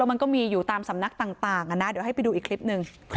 มันก็มีอยู่ตามสำนักต่างนะเดี๋ยวให้ไปดูอีกคลิปหนึ่ง